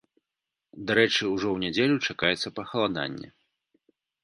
Дарэчы, ужо ў нядзелю чакаецца пахаладанне.